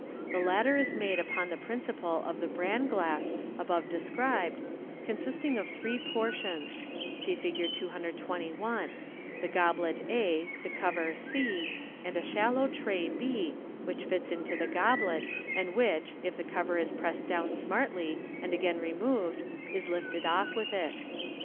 The latter is made upon the prin ciple of the " bran glass," above described, consisting of three por FlG 22I> tions (see Fig 221), the goblet a, the cover c, and a shallow tray b, which fits into the goblet, and which, if the cover is pressed down smartly, and again removed, is lifted off with it.